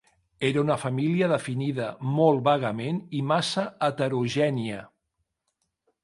Era una família definida molt vagament i massa heterogènia.